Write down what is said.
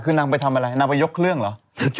คือนางไปทำอะไรนางไปยกเครื่องเหรอ